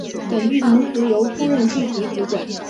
本剧同时由出任剧集主管。